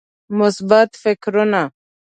مثبت فکرونه